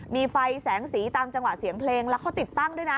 มีไฟแสงสีตามจังหวะเสียงเพลงแล้วเขาติดตั้งด้วยนะ